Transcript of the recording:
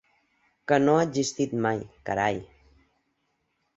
Que no ha existit mai, carai.